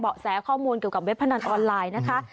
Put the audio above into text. แสข้อมูลเกี่ยวกับเว็บพนันออนไลน์นะคะ